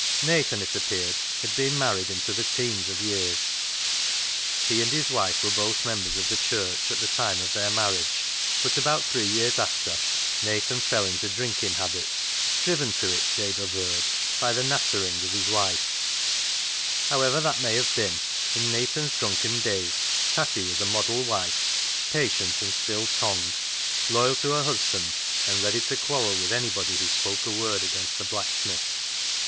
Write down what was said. Nathan, it appeared, had been married into the teens of years. He and his wife were both members of the Church at the time of their marriage, but about three years after Nathan fell into drinking habits, driven to io8 CLOG SHOP CHRONICLES it, Jabe averred, by the " nattering " of his wife. However that may have been, in Nathan's drunken days Tatty was a model wife, patient and still tongued, loyal to her husband, and ready to quarrel with anybody who spoke a word against the blacksmith.